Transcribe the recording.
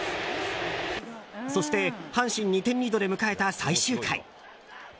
そして、阪神２点リードで迎えた最終回。